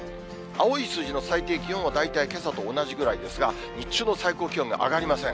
青い数字の最低気温は大体けさと同じぐらいですが、日中の最高気温が上がりません。